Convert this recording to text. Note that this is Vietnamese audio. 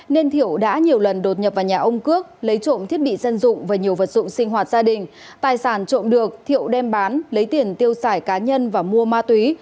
nên thiệu đã nhiều lần đột nhập vào nhà ông cước lấy trộm thiết bị dân dụng và nhiều vật dụng sinh hoạt gia đình tài sản trộm được thiệu đem bán lấy tiền tiêu xài cá nhân và mua ma túy